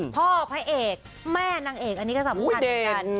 พ่อพระเอกแม่นางเอกอันนี้ก็สำคัญเหมือนกัน